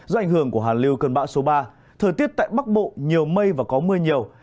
do ảnh hưởng của hà lưu cơn bão số ba thời tiết tại bắc bộ nhiều mây và có mưa nhiều